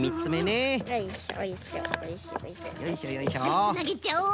よしつなげちゃおう！